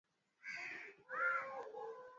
Takriban watu mia moja waliweza kuvuka